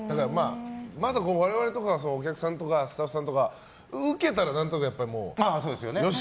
まだ我々とかは、お客さんとかスタッフさんとかにウケたら何となくよし！